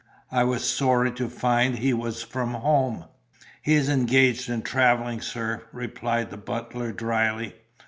I was sorry to find he was from home." "He is engaged in travelling, sir," replied the butler, dryly.